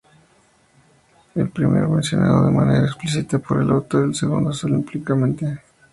El primero, mencionado de manera explícita por el autor y el segundo, sólo implícitamente.